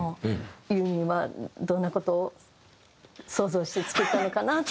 ユーミンはどんな事を想像して作ったのかな？っていうぐらい。